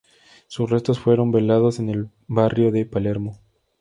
Sus restos fueron velados en el barrio de Palermo.